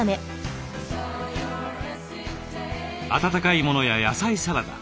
温かいものや野菜サラダ。